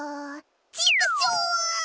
チクショー！